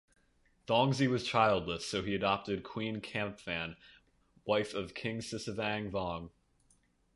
Thongsy was childless, so he adopted Queen Khamphane, wife of King Sisavang Vong.